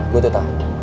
gue tau tau